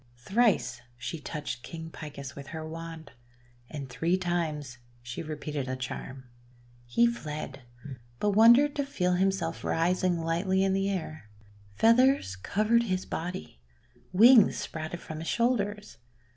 Thrice she touched King Picus with her wand, and three times she repeated a charm. He fled, but wondered to feel himself rising KING PICUS THE WOODPECKER 89 lightly in the air. Feathers covered his body, wings sprouted from his shoulders.